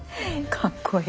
かっこいい。